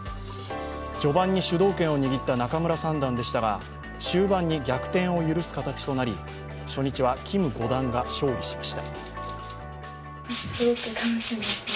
序盤に主導権を握った仲邑三段でしたが終盤に逆転を許す形となり初日はキム五段が勝利しました。